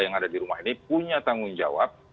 yang ada di rumah ini punya tanggung jawab